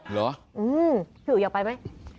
เหรอพี่อุ๋ยอยากไปไหม